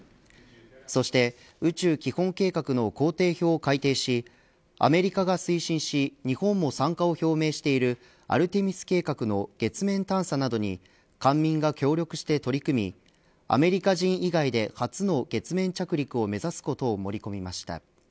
そして宇宙基本計画の工程表を改定しアメリカが推進し日本も参加を表明しているアルテミス計画の月面探査などに官民が協力して取り組みアメリカ人以外で初の月面着陸を目指すことを盛り込みました。